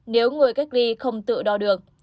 người cách ly không tự đo được